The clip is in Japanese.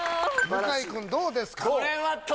向井君どうですか？